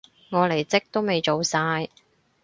我離職都未做晒